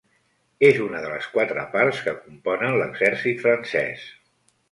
És una de les quatre parts que componen l'exèrcit francès.